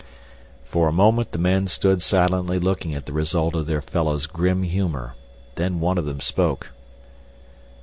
For a moment the men stood silently looking at the result of their fellow's grim humor. Then one of them spoke.